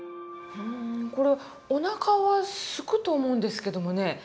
これおなかはすくと思うんですけどもね。